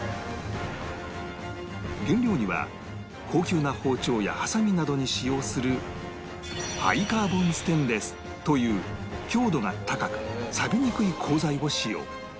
原料には高級な包丁やハサミなどに使用するハイカーボンステンレスという強度が高くさびにくい鋼材を使用